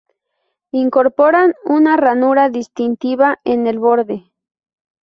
Incorporan una ranura distintiva en el borde.